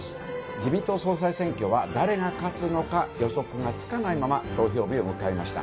自民党総裁選挙は誰が勝つのか予測がつかないまま投票日を迎えました。